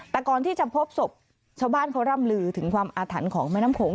แต่ก่อนที่จะพบศพชาวบ้านเขาร่ำลือถึงความอาถรรพ์ของแม่น้ำโขง